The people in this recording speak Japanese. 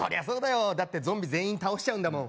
だってゾンビ全員倒しちゃうんだもん